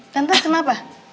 tante seneng apa